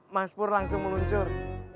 mas pur langsung meluncur